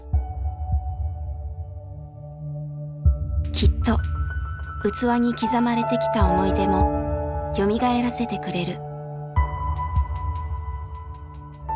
きっと器に刻まれてきた思い出もよみがえらせてくれる。